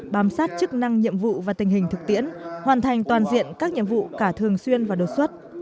bám sát chức năng nhiệm vụ và tình hình thực tiễn hoàn thành toàn diện các nhiệm vụ cả thường xuyên và đột xuất